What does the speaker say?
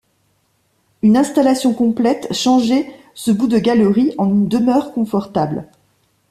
Une installation complète changeait ce bout de galerie en une demeure confortable.